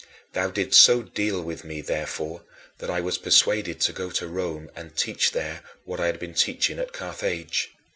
Thou didst so deal with me, therefore, that I was persuaded to go to Rome and teach there what I had been teaching at Carthage.